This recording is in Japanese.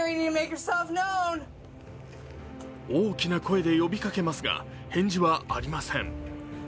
大きな声で呼びかけますが返事はありません。